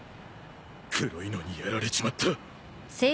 黒いのにやられちまった。